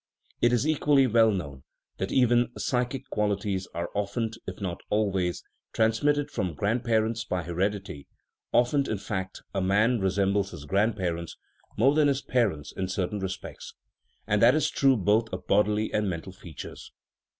It is equally well known that even psychic qualities are often (if not always) transmitted from grandparents by heredity often, in fact, a man resembles his grandparents more than his parents in THE RIDDLE OF THE UNIVERSE certain respects; and that is true both of bodily and mental features.